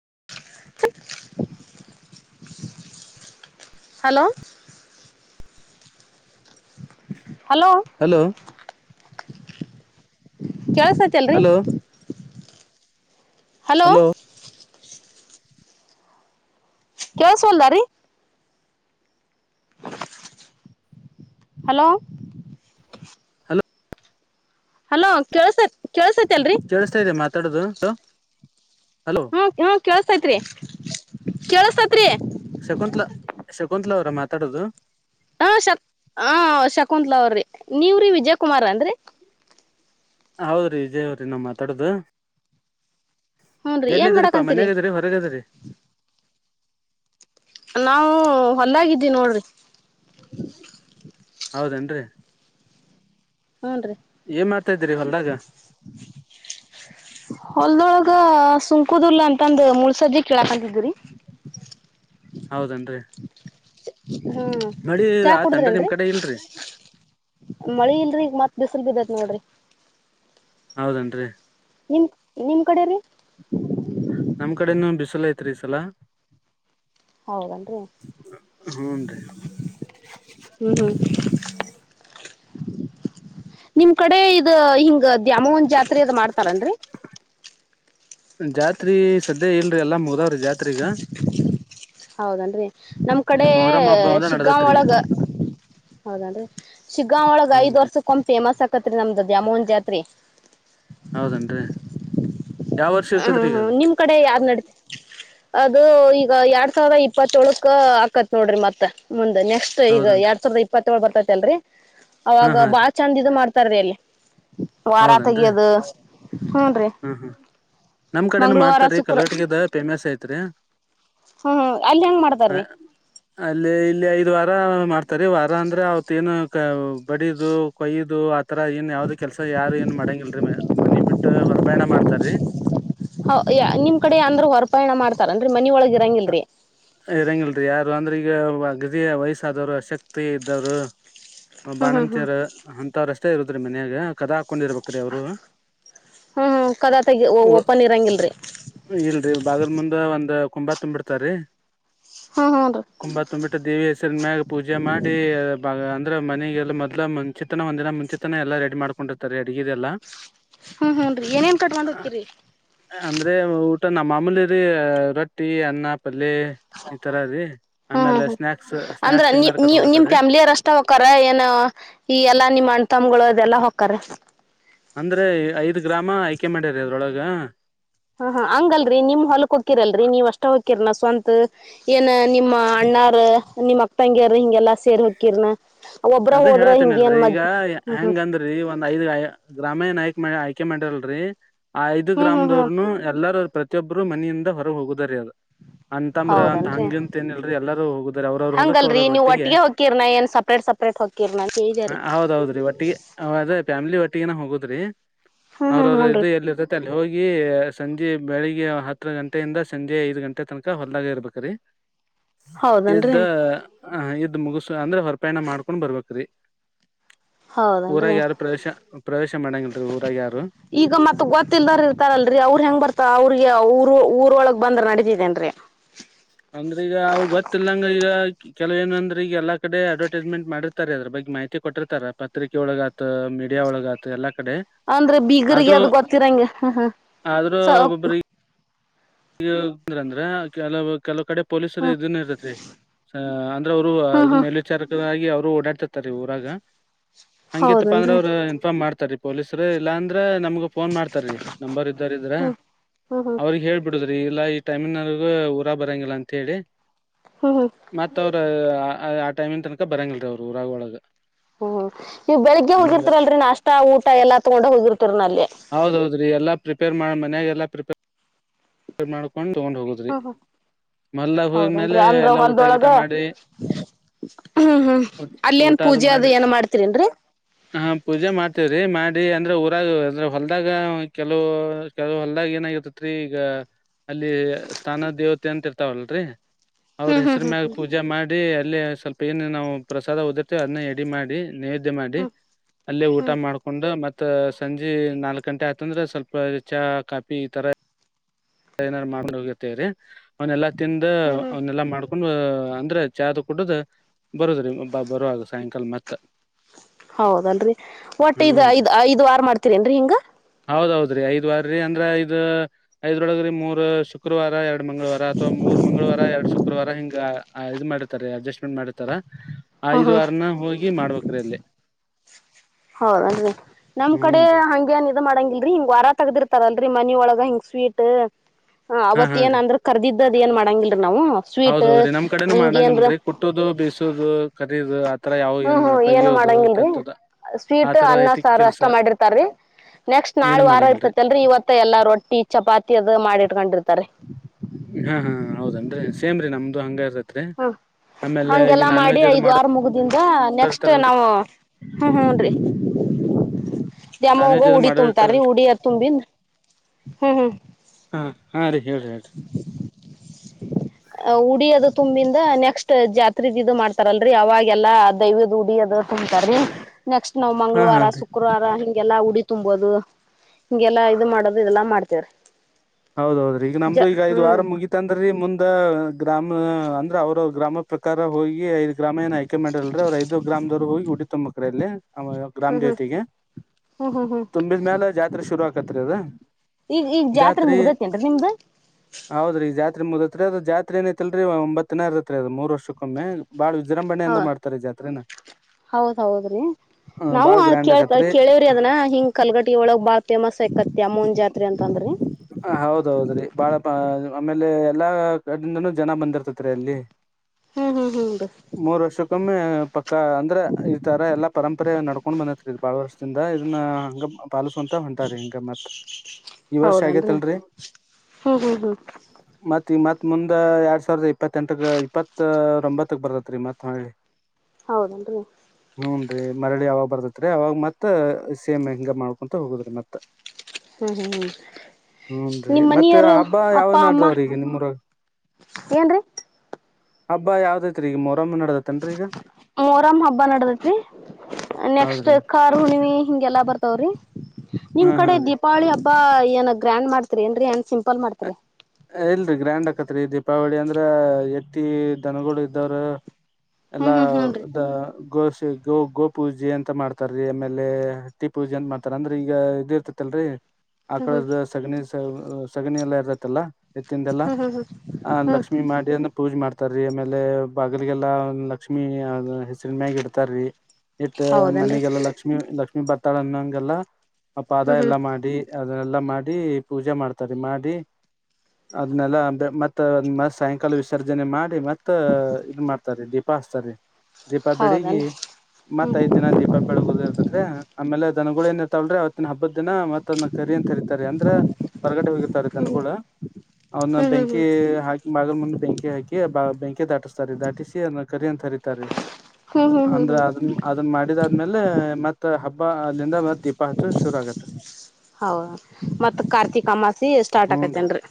[inaudible] Hello hello hello ಕೆೇಳಸತಲ್ರಿ. Hello hello ಕೆಳಸ ವಲ್ತಾರೀ. ಹಲೋ ಹಲೋ ಹಲೋ ಕೇಳಸ್ ಕೇಳಸ್ತಾ ಇದೆ ಮಾತಾಡೋದು ಹ ಹ್ಮ ಹ್ಮ ಕೇಳಸ್ತೈತ್ರಿ. ಕೇಳಸ್ತತ್ರಿ ಶಕುಂತ್ಲ ಶಕುತ್ಲಾ ಅವ್ರ ಮಾತಾಡೋದು. ಹಾ ಶಕ್ ಹಾ ಶಕುಂತ್ಲಾ ಅವ್ರಿ ನೀವ್ರೀ ವಿಜಯ ಕುಮಾರ್ ಅನ್ರರಿ ಹೌದ್ರಿ ವಿಜಯ ಅವ್ರಿ ನಮ್ಮ ಮಾತಾಡದು ಹೂನ್ ರೀ ಏನ್ ಎಲ್ಲಿದ್ದಿರಿಪ್ಪಾ ಮಾಡಾಕಂತೀರಿ ಮನ್ಯಾಗ ಇದ್ರರಿ ಹೊರಗೆದ್ರರಿ ನಾವು ಹೊಲಾಗಿದ್ದೀವಿ ನೋಡ್ರಿ ಹೌದೇನ್ರಿ ಹ್ನ್ ರರಿ ಏನ್ ಮಾಡ್ತಾ್ದೀರಿ ಹೊಲ್ದಾಗ ಹೊಲ್ದೊಳಗ ಸುಂಕುದಲ್ಲ ಅಂತಂದ ಮೂಳ್ಸಜ್ಜಿ ಕೇಳಾಕಂತಿದ್ರಿ ಹೌದೇನ್ರಿ ಹ್ಮ್ ನೋಳಿ ಚಾ ಆ ತಂಡ್ರ ನಿಮ್ ಕುಡುದ್ರೇನ್ರರಿ ಕಡೆ ಇಲ್ರಿ ಮಳಿ ಇಲ್ರಿೀ ಈಗ ಮತ್ ಬಿಸಲು ಬಿದ್ದತ್ ನೋಡ್ರಿ ಹೌದೇನ್ರಿ ನಿಮ ನಿಮ್ ಕಡೆ ರೀ ನಮ ಕಡೆನುೂ ಬಿಸಿಲ ಐತ್ರಿೀ ಸಲ ಹೌದನ್ರಿ [inaudible] ಹ್ಞೂ ರೀ ಹ್ಮ್ ಹ್ಮ [inaudible] ನಿಮ್ ಕಡೆ ಇದ ಹಿಂಗ ದ್ಯಾಮೋವಹನ್ ಜಾತ್ರೆ ಅದು ಮಾಡ್ತಾರನ್ರರಿ ಜಾತ್ರಿ ಸದ್ಯ ಇಲ್ರಿರಿ ಎಲ್ಲ ಮುಗದಾವ್ರಿ ಜಾತ್ರಿ ಈಗ ಹೌದನ್ರಿ ನಮ್ ಈ ಕಡೆ ಮೊಹರಂ ಹಬ್ಬ ಒಂದ ಶಿಗ್ಗಂ ನಡದತ್ರಿ ಈಗ ಒಳಗ ಹೌದೇನ್್ರೀ ಶಿಗಾ ಒಳಗೆ ಐದ್ ಹೂನ್ರಿ ವರ್ಷಕ್ಕೆ ಒ್ ಫೇಮಸ್ ಆಗ್ತ ತ್ರಿ ನಮ್ದ ದ್ಯಾಮವನ್ ಜಾತ್ರಿ ಹೌದೇನ್ರಿ ಹ ಹಾ ನಿಮ್ ಕಡೆ ಯಾರ ನಡತಿ ಅದು ಈಗ ಎರಡ್ ಸಾವಿರದ ಇಪ್ಪತ್ತಏಳಕ್ ಆಕತ್ ನೋಡ್ರಿ ಮತ್ತೆ ಮುಂದೆ ನೆಕ್ಸ್ಟ್ ಈಗ ಹೌದನ್ರಿ ಎರಡ್ ಸಾವಿರದ ಇಪ್ಪತ್ತಏಳ್ ಬರ್ತೈತಿಲ್ರಿ ಹಾ ಅವಾಗ ಹಾ ಬಾಳ ರೀ ಚಂದ ಇ ಮಾಡ್ ತರ್ರಿ ಅಲ್ಲಿ ವಾರ ಹೌದನ್ರಿ ತೆಗಿಯೋದು ಹೂನ್ ರೀ ಹಾ ಹಾ ನಮ್ ಕಡೆನ ಮಾಡ್ತಾರೀ ಕಲಗಟಗದ ಪೇಮಸ್ ಐತ್ರಿ ಹ್ಮ್ ಅಲ್ಲಿ ಹೆಂಗ ಅ ಮಾಡ್ತಾರೀ ಅಲ್ಲಿ ಇಲ್ಲಿ ಐದ್ ವಾರ ಮಾಡ್ತಾರೆ ವಾರ ಅಂದ್ರೆ ಅವತ್ ಏನು ಬಡಿದು ಕೊಯು ಆತ್ತರ ಏನ್ ಯಾವ್ದ ಕೆಲ್ಸ ಯಾರು ಏನ್ ಮಾಡಂಗಿಲ್ರರಿ ಮನಿ ಬಿಟ್ಟು ಹೊರಪಾಯಣ ಮಾಡ್ತಾರಿೀ ಹ ನಿ್ ಕಡೆ ಅಏಂದ್ರ ಹೊರಪಾಯಣ ಮಾಡ್ತಾರ ಅಂದ್ರೆ ಮನ ಒಳಗೆ ಹ ಇರಂಗಲ್ರಿ ಯಾರು ಅಂದ್ರ ಗದಿಯ ವಯಸ್ಸಾದವ್ರು ಆ ಶಕ್ತಿ ಇದ್ದವ್ರು ಹ್ಮ್ ಹ್ಮ್ ಹ್ಮ್ ಬಾಣಂತಿಯರು ಅಂತವ್ರುಷ್ಟ ಇಷ್ಟ ಇರುದ್ರಿ ಮನ್ಯಾಗ ಕದಾ ಹಾಕೊಂಡಿರ್ಬೇಕ್ರಿ ಅವರು [inaudible] ಹ್ಮ್ ಹ್ಮ್ ಕದ ತಗಿ ಓಪನ್ ಇರಂಗಿಲ್ರಿ ಇಲ್ರಿ ಬಾಗಲ್ ಮುಂದೆ ಒಂದ ಕುಂಬ ತುಂಬಬಿಡ್ತಾರೀ ಹ್ಮ್ ಹ್ಮ್ ರೀ ಕುಂಬ ತುಂಬ್ಬಟ್ಟ ದೇವಿ ಸಮಾಗಿ ಪೂಜೆ ಮಾಡಿ ಅಂದ್ರೆ ಮನೆಗೆಲ್ಲ ಮೊದ್ಲ ಮುಂಚೆ ತನ ಒಂದಿನ ಮುಂಚೆಿತನ ಎಲ್ಲ ರೆಡಿ ಮಾಡ್ಕ ಕೊಂಡಿರ್ತಾರೆ ಅಡಗೆದೆ ಎಲ್ಲ ಹ್ಮ್ ಹೂನ್ರಿ ಏನೇನ್ ಕಟ್ಕೊಂಡ್ ಹಕ್ಕಿರರಿ ಅಂದ್ರೆ ಊಟ ನಮ್ಮಮೂಲಿ ರ ರೊಟ್ಟಿ ಅನ್ನ ಪಲ್ಯ ಈ ತರ ರೀ ಹ್ಮ್ ಹ್ಮ್ ಆಮೇಲೆ ಹ್ಮ ಸ್ನಾಕ್ಸ್ ಅಂದ್ರ ಸ್ನಾಕ್ಸ್ ನೀ ಏನಾರು ನೀ ನಿಮ್ ಕಟ್ಕೊಂಡಿರ್ತಾರೀ ಫ್ಯಾಮಿಲಿಯರು ಅಷ್ಟ ಹಕ್ಕಾರ ಏನ ಈ ಎಲ್ಲಾ ನಿಮ್ಮ ಅಣ್ತಮಗಳು ಅದೆಲ್ಲಾ ಹಕ್ಕಾರೆ ಅಂದ್ರೆ ಐದ್ ಗ್ರಾಮ ಆಯ್ಕೆ ಮಾಡರ ಅದ್ರೊಳಗ ಹಾ ಹಾ ಹಂಗಲ್ರಿ ನಿಮ್ ಹೊಲಕ್ ಹಕಿರಲ್ರರಿ ನೀವ್ ಅಷ್ಟ ಹಕಿರನ ಸ್ವಂತ ಏನ ನಿಮ್ಮ ಅಣ ಏನಾರ ನಿಮ್ ಅಕ್ಕತಂಗಗೆಾರ ಹಿಂಗೆಲ್ಲಾ ಸೇರ್ ಹಕಿರ್ನ ಅದೇ ಹೇಳತೇನಲ್ರರಿ ಈಗ ಹ್ಮ್ ಹ್ಮ್ ಹೆಂಗಂದ್ರೀ ಒಂದ್ ಐದ್ ಗ್ರಾಮೇ ನಾಯಕ ಆಯ್ಕೆ ಮಾಡಿರಲ್ರರಿ ಆ ಐದು ಹ್ಮ್ ಹ್ಮ್ ಹ್ಮ್ ಗ್ರಾಮದವ್ನು ಎಲ್ಲಾರೂ ಪ್ರತಿಯೊಬ್ರು ಮನೆಯಿಂದ ಹೊರಗೆ ಹೋಗುದು ್ದರ್ಯಾದ ಅಂತಮ್ರ ಅಂತ ಹೌದನ್ರಿ ಹಂಗಿಂತ ಏನಲ್ರಿ ಎಲ್ಲಾರೂ ಹೋಗುದ್ರ ಅವ್ರವರು ಹೊಲಕ್ಕ ಹಂಗಲ್ರರಿ ಅವ್ರವ್ರ ನೀವ್ ಒಟ್ಟಿಗೆ ಹೊಕ್ಕಿರ್ನ ಏನ್ ಸಪ್ರೇಟ್ ಸಪ್ರೇಟ್ ಹೊಕ್ಕಿರ್ನ ಅಂತ ಹ ಕೇಳಿದೇರಿ ಹೌದೌದ್ರಿ ಒಟ್ಟಿಗೆ ಅದ ಫ್ಯಾಮಿಲಿ ಒಟ್ಟಿಗಿನ ಹೋಗದ್ರಿ ಹ್ಮ್ ಹ್ಮ್ ಅವ್ರವ್ರರು ಹೂನ್ರಿ ಇದು ಎಲ್ಲಿರುತ್ತ ಅಲ್ಲಿ ಹೋಗಿ ಗಿ ಸಂಜೆ ಬೆಳಿಗ್ಗೆ ಹತ್ತು ಗಂಟೆಯಿಂದ ಸಂಜೆ ಐದ್ ಗಂಟೆ ತನಕ ಹೊಲ್ದಾಗೆ ಇರ್ಬೇಕ್ರೀ. ಇದ್ದ ಹೌದನ್ರಿ ಅ ಇದ್ದ ಮುಗಸು ಅಂದ್ರೆ ಹೊರ್ಪಾಯನ ಮಾಡ್ ಕೊಂಡ್ ಬರ್ಬೇಕ್ರೀ. ಹೌದನ್ರಿ ಊರಾಗ್ ಯಾರು ಪ್ರವೇಶ ಪ್ರವೇಶ ಮಾಡಂಗಿಲ್ರಿ ಊರಾಗ್ ಯಾರು. ಈಗ ಮತ್ತ ಗೊತ್ತಿಲ್ದಾರ್ ಇರ್ತಾರಲ್ರರಿ ಅವ್ರ ಹೆಂಗ್ ಬರ್ತಾರ ಅವ್ರ್. ಗಿ ಅವ್ರು ಊರೊಳಗ್ ಬಂದ್ರ ನಡಿದಿದೇನ್ರಿ. ಅಂದ್ರೆ ಈಗ ಅವ್ ಗೊತ್ತಿಲ್ಲಂಗ ಈಗ ಕೆಲವ್ ಏನ್ ಅಂದ್ರ ಈಗ ಎಲ್ಲ ಕಡೆ ಅಡ್ವರ್ಟೈಸ್ಮೆಂಟ್ ಮಾಡಿರ್ತಾರೆ ಅದ್ರ ಬಗ್ ಮಾಹಿತಿ ಕೊಟ್ಟಿರ್ತಾರ ಪತ್ರಿಕೆ ಒಳಗ ಆತ ಮೀಡಿಯಾ ಒಳಗ ಆತ್ ಎಲ್ಲ. ಕಟೆ ಅಂದ್ರೆ ಬೀಗರಿಗೆ ಆದೂ ಅದು ಗೊತ್ತಿರಂಗ ಹ ಹ ಆದ್ರು ಸ ಒಬೊಬ್ಬರಿಗ್ ಹ್ಮ್ ಗಿಯೋಬ್ ಅಂದ್ರೆ ಕೆಲ್ವ್ ಕೆಲ ಕಡೆ. ಪೊಲೀಸರು ಇದನ್ನ ಇರತ್ರಿ ಅಂದ್ರೆ ಅವ್ರು ಹ್ಮ್ ಇದು ಹ್ಮ್ ಮೇಲ್ವಿಚಾರಕರಾಗಿ. ಗಿ ಅವ್ರು ಓಡಾಡ್ತಿತ್ರಿ ಊರಾಗ ಹಂಗಿತಪ್ಪ ಅಂದ್ರೆ ಹೌದನ್ರಿ ಅವ್ರು ಇನ್ಫಾರ್ಮ್ ಮಾಡ್ತಾರಿ. ಪೊಲೀಸೃ ಇಲ್ಲಾ ಅಂದ್ರೆ. ನಮ್ಗ ಫೋನ್ ಮಾಡ್ತಾರೀ ನಂಬರ್ ಇದೋರ್ ಇದ್ರ ಹ್ಮ್ ಹ್ಮ್ ಅವ್ರಿಗ್ ಹೇಳ್ಬಿಡೊದ್ರಿ. ಇಲ್ಲ ಈ ಟೈಮಿನಾಗ ಊರ ಬರಂಗಿಲ್ಲ ಅಂತ ಹೇಳಿ ಹ್ಮ್ ಹ್ಮ್ ಹ್ಮ್ ಮತ್ತ್ ಅವ್ರ. ಆ ಆ ಟೈಮಿನ್ ತನಕ ಬರಂಗಲ್ರಿ ಅವ್ರು ಊರಾಗ್ ಒಳಗ. ಹ್ಮ್ ನೀವ್ ಬೆಳಿಗ್ಗೆ ಹಂಗ ಹೋಗಿರ್ತರಲ್ರಿನ ನಷ್ಟ ಊಟ ಎಲ್ಲ ತಗೊಂಡ್ ಹೋಗಿರ್ತ. ಹೌದೌದ್ರಿ ಎಲ್ಲಾ ಪ್ರಿಪೇರ್ ಮಾಡ್ ಮನ್ಯಾಗ್ ಎಲ್ಲಾ ಪ್ರಿಪೇರ್ ಪೆಮಾಡ್ ಕೊಂಡ್ ತಗೊಂಡ್ ಹೋಗೂದ್ರಿ ಹ್ಮ್ ಹ್ಮ್ ಮಲ್ಲಾಗ್ ಹೌದನ್ರಿ ಹೋಗಿದ್ಮ್ಯಲೆ ಅಂದ್ರ ಎಲ್ಲಾ ಊಟ ಗಿಟ ಹೊಲ್ದೊಳಗ ಮಾಡಿ. ಹ್ಮ್ ಹ್ಮ್ ಅಲ್ಲ ಏನ್ ಊಟ ಪೂಜೆ ಅದು ಮಾಡಿ ಏನ ಮಾಡ್ತರೆನ್ರಿ. ಹಾ ಪೂಜೆ ಮಾಡ್ತೇವ್ರಿ ಮಾಡ್ ರಿ ಅಂದ್ರ ಊರಾಗ ಅಂದ್ರೆ ಹೊಲ್ದಾಗ ಕೆಲವು ಕೆಲ ಹೊಲ್ದಾಗ ಏನಾಗಿರ್ತತ್ ರೀ ಈಗ. ಅಲ್ಲಿ ಸ್ಥಾನ ದೇವತೆ ಅಂತ ಇರ್ತಾವಲ್ರರಿ ಅವ್ರ ಹ್ಮ್ ಹ್ಮ್ ಹೆಸ್ರ ಹ್ಮ್ ಮ್ಯಾಗ ಪೂಜೆ ಮಾಡಿ. ಅಲ್ಲಿ ಸ್ವಲ್ಪ ಏನ್ ನಾವು ಪ್ರಸಾದ ದರ್ತೇವೆ ಅದನ್ನ ಎಡಿ ಮಾಡಿ ನೆ ದೆಮಾಡಿ ಹ್ಮ್ ಹ್ಮ್ ಅಲ್ಲೇ ಊಟ ಮಾಡ್ಕೊಂಡು ಮತ್ ಮತ್ತ ಸಂಜಿ ನಾಲ್ಕ ಗಂಟೆ ಆಯ್ತಂದ್ರೆ ಸ್ವಲ್ಪ ಚಹಾ ಕಾಫಿ ಈ ತರ. ಏನಾರ ಮಾಡ್ಕೊಂಡ್ ಹೋಗಿತೆವ್ರಿ ಅವ್ನೆಲ್ಲಾ ತಿಂದು ಹ್ಮ್ ಹ್ಮ್ ಅವ್ನ್ನಲ್ಲಾ ಮಾಡ್ ಅಂದ್ರೆ ಚಾದು ಕುಡುದ್ ಬರುದ್ರಿ ಬರುವಾಗ ಸಾಯಂಕಾಲ ಮತ್. ಹೌದಲ್ರಿ ಒಟ್ಟ ಇದ್ ಹ್ಮನ್ರಿ ಇದ್ ಐದ್ ವಾರ ಮಾಡ್ತೀರೆನ್ರಿ ಹಿಂಗ. ಹೌದೌದ್ರೀ ಐದ್ ವಾರೀ ಅಂದ್ರೆ ಇದ ಐದ್ರೊಳಗ್ರೀ ಮೂರ ಶುಕ್ ವಾರ ಎರ್ಡು ಮಂಗಳವಾರ ಅಥವಾ ಮೂರು ಮಂಗಳವಾರ ಎರ್ಡ್ ಶುಕ್ ರುವಾರ ಹಿಂಗ ಇದು ಮಾಡ್ತಾರೆ ಅಡ್ಜಸ್ಟ್ಮೆಂಟ್ ಮಾಡ್ತಾರ. ಹಾ ಹಾ ಐದ್ವಾರನ ಹೋಗಿ ಮಾಡ್ಬೇಕ್ರಿ ಅಲ್ಲಿ. ಹೌದಲ್ರಿ ನಮ್ ಕಡೆ ಹೂನ್ ರೀ ಹಂಗೆನ್ ಇದ್ ಮಾಡಂಗಿಲ್ ರಿ ಹಿಂಗ್ ವಾರ ತಗ್ದಿರ್ತಾರಲ್ರಿ ಮನೊಳಗ ಹಿಂಗ್ ಸ್ವೀಟ್ ಹಾ ಅವ್ತ್ ಹಾ ಏನ್ ರೀ ಅಂದ್ರ ಕರ್ದಿದ್. ದ್ ಅದ್ಯೆನ್ ಮಡಂಗಿಲ್ರಿ. ಹೌದೌದ್ರಿ ನಮ್ ಕಡೆನೂ ಮಾಡಂಗಲ್ರರಿ ಕುಟ್ಟುದು ಬೀಸುದು. ಕರೀದು ಆ ತರ ಯಾವ ಹ್ಮ್ ಏನ್ ಮಾಡ ಹ್ಮ್ ಏನು ಕೊಯ್ಯೋದು ಮಾಡಂಗಿಲ್ರಿ ಕೆತ್ತದ. ಸ್ವೀಟ್ ಆತರ ಅನ್ನ ರೈತಿಕಿ ಸಾರ ಕೆಲ್ಸ ಅಷ್ಟ ಮಾಡಿರ್ತಾರೀ. ನೆಕ್ಸ್ಟ್ ನಾಳ ಏನು ವಾರ ಮಾಡಂಗಿಲ್ರಿ ಇರ್ತತಿಲ್ರಿ ಇವತ್ತ ಎಲ್ಲಾ ರೊಟ್ಟಿ ಚಪಾತಿ ಅದು ಮಾಡಿ ಇಟ್ಕೊಂಡಿರ್ ಹಾ ಹಾ ಹೌದನ್ರಿ ಸೇಮ್ರೀ ನಮ್ದು ಹಂಗ ಇರ್ತತ್ರಿ. ಹ್ಮ ಹಂಗೆಲ್ಲಾ ಮಾಡಿ ಐದ್ ವಾರ ಮುಗ್ದಿಂದ ನೆಕ್ಸ್ಟ್ ಇರ್ತಾರಲ್ರಿ ನಾವು. ಹು ಹು ಹೂನ್ರಿ ದ್ಯಾಮ ನಾನ್ ಹೋಗ್ ವೆಜ್ ಅದು ಉಡಿ ಮಾಡೋ ತುಂಬ್ತರೀ ಇರ್ತಾರಲ್ರಿ ಉಡಿಯದ್ ತುಂಬಿನ್ ಹ್ಮ್ ಹ್ಮ್. ಹಾ ಹಾ ರಿ ಹೇಳ್ರಿ ಹೇಳ್ರಿ. ಅ ಉಡಿಯದು ತುಂಬಿಂದ ನೆಕ್ಸ್ಟ್ ಜಾತ್ರೆದಿದು ಮಾಡ್ತಾರಲ್ರರಿ ಅವಾಗೆಲ್ಲಾ ದೈವ್ಯದ್ ಉಡಿಯದು. ಕುಂತಾರ್ರಿ ನೆಕ್ಸ್ಟ್ ನಾವ್ ಹಾ ಮಂಗ್ಳವಾರ ಹಾ ರೀ ಶುಕ್ರವಾರ. ಗೆಲ್ಲಾ ಉಡಿ ತುಂಬೋದು ಹಿಂಗೆಲ್ಲಾ ಇದು ಮಾಡೋದು ಇದೆಲ್ಲಾ ಮಾಡ್ತೇವ್ರಿ. ಹೌದೌದ್ರಿ ಈಗ ನಮ್ದು ಜ ಈಗ ಐದ ಹ್ಮ್ ವಾರ ಮುಗೀತ ಅಂದ್ರಿ ಮುಂದ ಗ್ರಾಮ ಅಂದ್ರೆ ಅವ್ರ ಅವ್ರ ಗ್ರಾಮ ಪ್ರಕಾರ ಹೋಗಿ ಐದು ಗ್ರಾಮ ಏನ್ ಆಯ್ಕೆ ಮಾಡ್ಯಾರ ಅಲ್ರೀ ಅವ್ರ ಐದು ಗ್ರಾಮದವ್ರ ಹೋಗಿ ಊ ತುಂಬೆಕ್ರಿ ಅಲ್ಲಿ ಆ ಹ್ಮ್ ಗ್ರಾಮ್ ದೇವತೆಗೆ ಹ್ಮ್ ಹ್ಮ್ ಹ್ಮ್ ಹ್ಮ್ ತುಂಬಿದ್ಮೇಾಲ ಜಾತ್ರೆ ಶುರು ಆಕತ್ರಿ ಅದ ಈಗ ಈಗ ಜಾತ್ರೆ ಜಾತ್ರಿ ಮುಗಿದೇತ ಏನ್ರಿ ನಿಮ್ದ ಅಂದ್ರ ಅದ ಜಾತ್ರೆ ಏನ ಐತಲ್ರಿ ಒಂಬತ್ತಿನ ಇರ್ತ್ರಿ ಅದ ಮೂರ್ಷಕ್ಕೊಮ್ಮೆ ಬಾಳ ವಿಜೃಂಭಣೆಯಿಂದ ಹ ಮಾಡ್ತಾರೆ ಜಾತ್ರೆನ ಹೌದ್ ಹೌದ್ರಿ ಹ ನಾವು ಬಾಳ ಆ ಗ್ರ್ಯಾಂಡ್ ಆಕತ್ರಿ ಕೇಳೇವ್ರಿ ಅದನ್ನ ಹಿಂಗ್ ಕಲ್ಗಟ್ಟಿ ಒಳಗ್ ಬಾ ಳ ಫೇಮಸ್ ಐತ ಅತ್ತೆಅದ ಅಮನ್ ಜಾತ್ರೆ ಅಂತ ಅಂದ್ರರಿ ಹ ಹೌದೌದ್ರೀ ಬಾಳ ಆಮೇಲೆ ಎಲ್ಲಾ ಕಡ್ಡಿಂದನೂ ಜನ ಬಂದಿರ್ತಿತೇ ರಿ ಅಲ್ಲಿ ಹ್ಮ್ ಹ್ಮ್ ಹ್ಮ್ ರಿ ಸುಮ್ಮೆ ಪಕ್ಕ ಅಂದ್ರೆ ಈ ತರ ಎಲ್ಲಾ ಪರಂಪರೆ ನಡ್ಕೊಂಡ್ ಬಂದತ್ರಿ ಇದು ಬಾಳ ವರ್ಷದಿಂದ ಇದನ್ನ ಹಂಗ ಪಾಲಿಸ ಕೊಂತ ಹೊಂಟಾರ ಹಿಂಗಮ್ಮತ್ ಈ ವರ್ಷ ಆಗ ತ ಹೌದನ್ರಿ ಅಲ್ರೀ ಹ್ಮ್ ಹ್ಮ್ ಹ್ಮ್ ಮತ್ತೆ ಈಗ ಮತ್ತ ಮುಂದ ಎರಡ್ ಸಾವಿರದ ಇಪ್ಪತ್ತೆಂಟ ಇಪ್ಪತ್ತ ರೊಂಬತ್ತಕ್ ಬರ್ತೀತೆ ಮತ್ತತ್ ಹೌದೇನ್ರಿ ಹುನ್ರಿ ಮರಳಿ ಯಾವಾಗ ಬರ್ದತ್ರಿ ಅವಾಗ ಮತ್ತ ಸೇಮ್ ಹಿಂಗ ಮಾಡ್ಕೊಂತ ಹೋಗದ್ರಿ ಮತ್ತ ಹ್ಮ್ ಹ್ಮ್ ಹ್ಮ್ ಹ್ಮನ್ ರೀ ನಿಮ್ ಮತ್ತೆ ಮನಿಯರು ಹಬ್ಬ ಯಾವ ಅಪ್ಪ ಅಮ್ಮ ನಡ್ದಾವ್ರ ಈಗ ನಿಮುರಗ ಏನ್ರೀ ಹಬ್ಬಾ ಯಾವದೈತಿ ರಿ ಈಗ ಮೊ ಮೋರಮ್ಮ ಹಬ್ಬ ನಡದೇತ್ವಿ ನೆಕ್ಸ್ಟ್ ಹೌದ್ರಿ ಕಾರ್ ಹುಣಮ್ಮಿ ಹಿಂಗೆಲ್ಲಾ ಬರ್ತವ್ರೀ ನಿಮ್ ಹಾ ಹಾ ಕಡೆ ರೀ ದೀಪಾವಳಿ ಹಬ್ಬ ಏನ ಗ್ರ್ಯಾಂಡ್ ಮಾಡ್ತರಿ ಏನ್ರಿ ಏನ್ ಸಿಂಪ ಪಲ್ ಮಾಡ್ತೀರಿ ರಿ ಗ್ರ್ಯಾಂಡ್ ಆಕೇತ್ರಿ ದೀಪಾವಳಿ ಅಂದ್ರ ಎತ್ತಿ ದನಗಳು ಇದ್ದವರು ಹ್ಮ್ ಎಲ್ಲಾ ಹ್ಮ್ ಹ್ಮ್ ರೀ ದ ಗೋ ಗೋ ಗೋಪೂಜೆ ಅಂತ ಮಾಡ್ತಾರೀ ಆಮೇಲೆ ಟಿ ಪೂಜೆ ಅಂತ ಮಾಡ್ತಾರ ಅಂದ್ರೆ ಈಗ ಇದ ಇರ್ತಲ್ ರಿ ಹ್ಮ್ ಹ್ಮ್ ಆಕಳದ ಸಗಣಿ ಸಗಣಿ ಎಲ್ಲಾ ಇರತೈತಲ್ಲ ನಿತ್ತಿಂದೆಲ್ಲಾ ಹ್ಮ್ ಹ್ಮ್ ಹ್ಮ್ ಹ್ಮ್ ಲಕ್ಷ್ಮಿ ಮಾಡಿ ಅದನ್ನ ಪೂಜೆ ಮಾಡ್ತ ಇಡ್ತಾರೀ ಆಮೇಲೆ ಬಗಲಿಗೆಲ್ಲಾ ಲಕ್ಷ್ಮೀ ಹೆಸರಿ ಮ್ಯಾಗ ಇಡ್ತಾರೀ ಇಟ್ಟ ಹೌದನ್ರಿ ಮನೆಗೆಲ್ಲ ಲಕ್ಷ್ಮೀ ಲಕ್ಷ್ಮಿ ಭರ್ತಾಳ ಅನ್ನಂಗೆಲ್ಲ ಪಾದ ಹ್ಮ್ ಹ್ಮ್ ಎಲ್ಲಾ ಮಾಡಿ ಅದನೆಲ್ಲ ಮಾಡಿ ಪೂಜೆ ಮಾಡ್ತಾರೆ ಮಾಡಿ ಅದ್ನ್ನೆಲ್ಲ ಮತ್ತ್ ಮತ್ ಸಾಯಂಕಾಲ ವಿಸರ್ಜನೆ ಮಾಡಿ ಮತ್ತ ಇದ ಮಾಡ್ತಾರೆ ದೀಪ ಹಚ್ತಾರಿ ದೀಪಾ ಬೆಳಿಗ್ ಹೌದನ್ರಿ ಹ್ಮ್ ಮತ್ ಹ್ಮ್ ಐದ್ ದಿನ ದೀಪಾ ಬೆಳಗೋದ ಇರ್ತೈತ್ರಿ ಆಮೇಲೆ ದನಗಳುಏನ ಇರ್ತಾಳ್ರೆ ಅವವತ್ತಿನ ಹಬ್ಬದ ದಿನ ಮತ್ದ್ ಕರಿ ಅಂತ ತರೀತಾರೆ ಅಂದ್ರ ಹೊರಗಡೆ ಹೋಗಿರ್ತಾವ ರಿ ದನಗೋಳ ಅವನ ಹ್ಮ್ ಹ್ಮ್ ಬೆಂಕಿ ಹಾಕಿ ಮಾಗಲ್ ಮುಂದ ಬೆಂಕಿ ಹಾಕಿ ಬ ಬೆಂಕ ದಾಟಿಸಸ್ತಾರೆ ದಾಟಿಸಿ ಅ ಕರಿ ಅಂತ ಹರೀತಾರಿ ಹ್ಮ್ ಹ್ಮ್ ಹ್ಮ್ ಹ್ಮ್ ಅಂದ್ರ ಹ್ಮ್ ಅದನ್ ಅದನ್ ಮಾಡಿದ ಆದ್ಮೇಲೆ ಮತ್ತ್ ಹಬ್ಬ ಅಲ್ಲಿಂದ ಮತ್ ದೀಪ ಹಚ್ಚೋದು ಶುರು ಆಗತ್ರಿ ಹೌ ಮತ್ತ್ ಕಾರ್ತಿಕ ಅಮಾಸಿ ಸ್ಟಾರ್ಟ್ ಹೂನ್ ರೀ ಆಕತ್ತೇನ್ರರಿ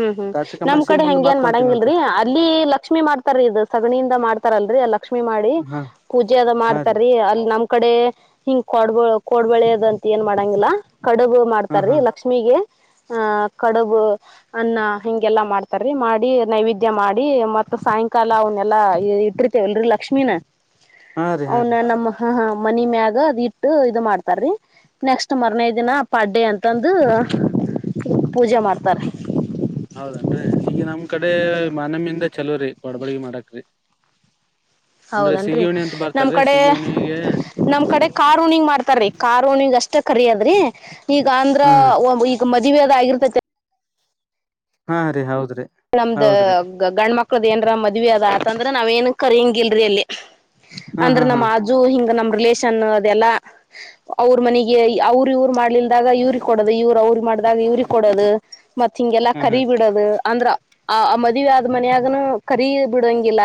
ಹ್ಮ್ ಹ್ಮ್ ಕಾರ್ತಿಕ ನಮ್ಮ್ ಮಾಸಿ ಕಡೆ ಮುಂದ್ ಹಂಗ್ ಏನ್ ಮತ್ ಒಂದ್ ತಿಂಗಳ ಮಾಡಂಗಿಲ್ರರಿ ಇರ್ತತ್ರಿ ಅಲ್ಲಿ ಲಕ್ಷ್ಮೀ ಮಾಡ್ತಾರೀ ಇದು ಸಗಣಿಯಿಂದ ಮಾಡ್ತಾರಲ್ರರಿ ಅ ಲಕ್ಷ್ಮೀ ಉಳಿಮೆ ಮಾಡಿ ಹಾ ಪೂಜೆ ಅದು ಹಾ ರೀ ಮಾಡ್ತಾರಿ ಅಲ್ಲಿ ನಮ್ ಕಡೆ ಹಿಂಗ್ ಕಡ್ಬ ಕೋಡ್ಬಳೆದಂತ ಏನ್ ಮಾಡಂಗಿಲ್ಲಾ ಕಡುಬು ಹಾ ಮಾಡ್ತಾರೀ ಹಾ ಲಕ್ಷ್ಮಿಗೆ ಆಹ ಕಡುಬು ಅನ್ನ ಹಿಂಗೆಲ್ಲಾ ಮಾಡ್ತಾರೀ ಮಾಡಿ ನೈವೇದ್ಯ ಮಾಡಿ ಮತ್ತ ಸಾಯಂಕಾಲ ಅವನ್ ಎಲ್ಲಾ ಇಟ್ಟಿರ್ತೇವಲ್ರರಿ ಲಕ್ಷ್ಮೀಿನ ಹಾ ರೀ ಹಾ ರೀ ಅವನ ನಮ್ಮ ಹಾ ಹಾ ಮನಿ ಮ್ಯಾಗ ಅದ್ ಇಟ್ಟು ಇದು ಮಾಡ್ತಾರೀ ನೆಕ್ಸ್ಟ್ ಮಾರ್ನೆ ದಿನ ಪಡ್ಡೆ ಅಂತಂದು ಪೂಜೆ ಮಾಡ್ತಾರೆ ಹೌದ ಏನ್ರೀ ಈಗ ನಮ್ ಕಡೆ ಮನಮ್ಮಿಂದ ಚಲೋರಿ ಕೊಡಬ್ಯಾಳಿ ಮಾಡಕ್ರರಿ ಹೌದನ್ರಿ ನಮ್ ಬರ್ತಾರೀ ಕಡೆ ಸಿಗಿ ಉಣಿಗೆ ನಮ್ ಕಡೆ ಕಾರೂನಿಂಗ್ ಮಾಡ್ತಾರೀ ಕಾರೂನಿಂಗ್ ಅಷ್ಟ್ ಅಷ್ಟೇ ಕರೆಯಾದ್ರಿ ಈಗ ಅಂದ್ರ ಹಾ ರೀ ಈಗ ಮದ್ವೆದ್ ಆಗಿರ್ತೈತಿ ಹಾ ರೀ ಹೌದು ನಮ್ದು ಗಂಡ ಮಕ್ಳದ್ ಏನರ ಮದ್ವಿ ಅದ್ ಅಂತಂದ್ರೆ ನಾವ್ ಏನ್ ಕರಿಂಗಿಲ್ರಿ ಅಲ್ಲಿ ಹಾ ಅಂದ್ರ ಹಾ ಹಾ ನಮ್ ಆಜು ಹಿಂಗ್ ನಮ್ ರಿಲೇಷನ್ ಅದೆಲ್ಲಾ ಅವರು ಮನೆಗೆ ಅವರು ಇವ ಇರು ಮಾಡ್ಲಿಲ್ದಾಗ ಇವ್ರಿಗೆ ಕೊಡದು ಇವ್ರು ಅವ್ರ ಮಾಡ್ದಾಗ ಇವ್ರಿ ಕೊಡದು ಮತ್ ಹಿಂಗೆಲ್ಲಾ ಹಾ ಹಾ ಕರಿ ಬಿಡಾದು ಅಂದ್ರ ಆ ಆ ಮದ್ವೆ ಆದ್ ಮನೆಯಾಗನೂ ಕರಿ ಬಿಡಂಗಿಲ್ಲ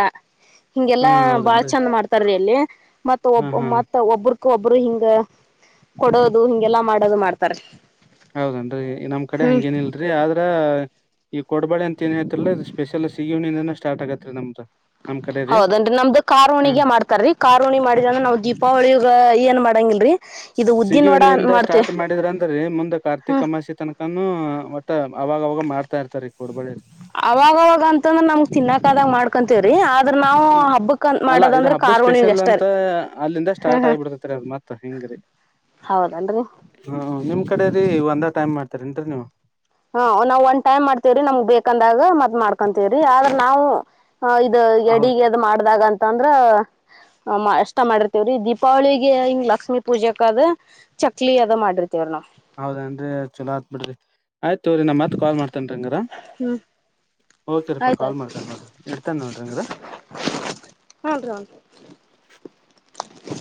ಹಾ ಹಿಂಗೆಲ್ಲಾ ಬಾಳ ಹೌದನ್ರಿ ಚಂದ ಮಾಡ್ತಾರೀ ಅಲ್ಲಿ ಮತ್ ಹಾ ಒಬ್ಬರ್ ಹಾ ಮತ್ ಒಬ್ಬರು ಕ್ ಒಬ್ರು ಹಿಂಗ ಕೊಡೋದು ಹಿಂಗೆಲ್ಲಾ ಮಾಡೋದು ಮಾಡ್ತಾರ. ಹೌದೆನ್ರಿ ನಮ್ ಕಡೆ ಹಂಗೇನಿಲ್ಲ ರೀ ಆದ್ರೆ ಈಗ ಕೊಡ್ ಬೇಡಿ ಅಂತ ಏನ್ ಏಳ್ತಿರಲ್ಲಾ ಸ್ಪೆಷಲ್ ಸಿಗೇ ಹುಣಿಯಿಂದನೂ ಸ್ಟಾರ್ಟ ಆಗುತ್ ರೀ ನಮ್ದು ನಮ್ ಕಡೆ ರೀ ಹೌದೇನ್ರಿ ನಮ್ದು ಹ ಕಾರವುಣಿಗೆ ಮಾಡ್ತಾರೀ ಕಾರಾರ್ವಣಿ ಮಾಡಿದ ನಾವ್ ದೀಪಾವಳಿಗ ಏನ್ ಮಾಡಂಗಿಲ್ರಿ ಇದು ಸಿಗೆ ಉದ್ದಿನ ವಡ ಅಂತ ಹುಣ್ಣಿಮೆಯಿಂದ ಮಾಡ್ತೇವಿ ಸ್ಟಾರ್ಟ್ ಮಾಡಿದ್ರ ಅಂದ್ರೀ ಮುಂದೆ ಕಾರ್ತಿಕ ಅಮಸ್ಯೆ ತನಕನೂ ಒಟ್ಟು ಅವಾಗ ಅವಾಗ ಮಾಡ್ತಾ ಇರ್ತಾರೆ ಕೊಡ್ಬಳಿ ಅವಾಗವಾಗ ಅಂತಂದು ನಮಗ್ ತಿನ್ನಕ ಆದಾಗ ಮಾಡ್ಕೊಂತ್ ರೀ ಆದ್ರೂ ನಾವು ಹ ಹಬ್ಬಕಂತ ಅಲ್ಲಾ ಇದು ಮಾಡದಂದ್ರೆ ಹಬ್ಬ ಕಾರ್ ಉಣಿಮೆ ಸ್ಪೆಷಲ್ ಆಷ್ಟೇ ಅಂತ ರೀ ಹ್ಮ್ ಹ್ಮ ತಹಿಂಗ್ ರೀ ಹೌದನ್ರಿ ಕಡೆ ರೀ ಒಂದೇ ಟೈಮ್ ಮಾಡ್ತಾರೇನ್ರೀ ನೀವು ಹ ನಾವ್ ಒನ್ ಟೈಮ್ ಮಾಡ್ತೇವ್ರಿ ನಮ್ಗ್ ಬೇಕಂದಾಗ ಮತ್ ಮಾಡ್ಕೊತೇವ್ರಿ ಆದ್ರ ನಾವು ಹ ಇದು ಹೌದ ಅಡಿಗೆ ಅದ್ ಮಾಡ್ದಾಗ ಅಂತ ಅಂದ್ರೆ ಹ ಅಷ್ಟೇ ಮಾಡಿರ್ತೇವ್ರೀ ದೀಪಾವಳಿಗೆ ಹಿಂಗ್ ಲಕ್ಷ್ಮೀ ಪೂಜೆಕ ಆದ ಚಕ್ಲಿ ಅದ ಮಾಡಿರ್ತೀವ್ರ ನಾವು ಹೌದೇನ್ರಿ ಚಲೋ ಆತ್ ಬಿಡ್ರಿ ಆಯ್ತ ಹೇಳ್ರೀ ನಾ ಮತ್ ಕಾಲ್ ಮಾಡ್ತೇನ್ ರೀ ಹಂಗರೆ ಓಕೆ ರಪ್ಪಾ ಕಾಲ್ ಆಯ್ತಾಯ್ತು ಮಾಡ್ತಾನಿ ನೋಡ್ರಿ ಇಡ್ತಾನ್ ನೋಡ್ರಿ ಅಂಗರೆ [unintelligible]